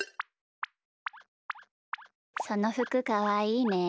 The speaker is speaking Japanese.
そのふくかわいいね。